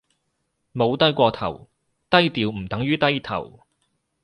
冇低過頭，低調唔等於低頭